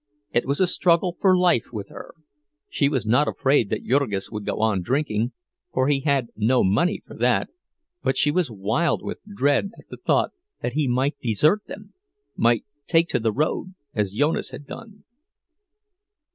It was a struggle for life with her; she was not afraid that Jurgis would go on drinking, for he had no money for that, but she was wild with dread at the thought that he might desert them, might take to the road, as Jonas had done.